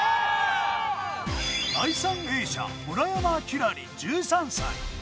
第３泳者、村山輝星１３歳。